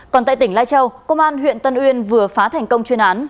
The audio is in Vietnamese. còn tại tỉnh lai châu công an huyện tân uyên vừa phá thành công chuyên án